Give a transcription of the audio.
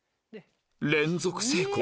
連続成功